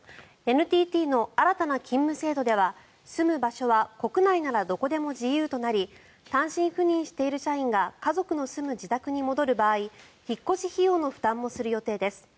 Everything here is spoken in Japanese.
ＮＴＴの新たな勤務制度では住む場所は国内ならどこでも自由となり単身赴任している社員が家族の住む自宅に戻る場合引っ越し費用の負担もする予定です。